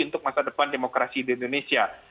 untuk masa depan demokrasi di indonesia